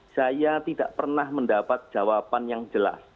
saya tidak pernah mendapat jawaban yang jelas